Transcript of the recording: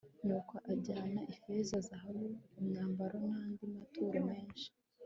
nuko ajyana ifeza, zahabu, imyambaro n'andi maturo menshi